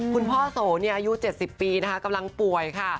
คุณพ่อโสอายุ๗๐ปีนะคะกำลังป่วยค่ะ